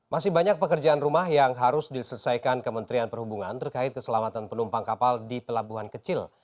masih banyak pekerjaan rumah yang harus diselesaikan kementerian perhubungan terkait keselamatan penumpang kapal di pelabuhan kecil